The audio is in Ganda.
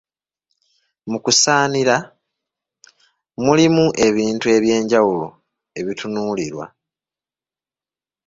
Mu kusaanira, mulimu ebintu eby’enjawulo ebitunuulirwa.